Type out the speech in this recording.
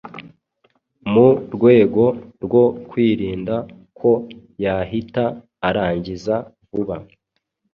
mu rwego rwo kwirinda ko yahita arangiza vuba.